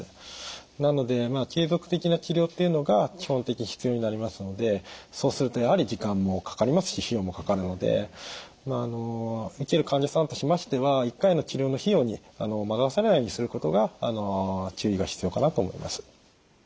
なので継続的な治療っていうのが基本的に必要になりますのでそうするとやはり時間もかかりますし費用もかかるので受ける患者さんとしましては１回の治療の費用に惑わされないようにすることが注意が必要かなと思います。